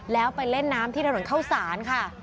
แล้วไปเล่นน้ำที่ถนนเข้าศาลค่ะ